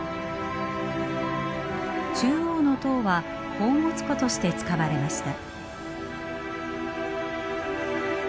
中央の塔は宝物庫として使われました。